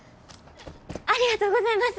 ありがとうございます！